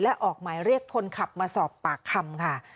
และออกหมายเรียกคนขับมาสอบปากคำค่ะ